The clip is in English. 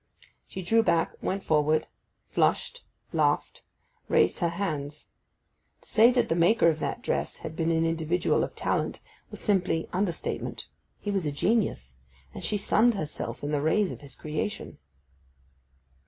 She drew back, went forward, flushed, laughed, raised her hands. To say that the maker of that dress had been an individual of talent was simply understatement: he was a genius, and she sunned herself in the rays of his creation.